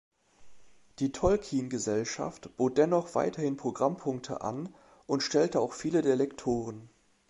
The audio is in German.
Die Tolkien Gesellschaft bot dennoch weiterhin Programmpunkte an und stellte auch viele der Lektoren.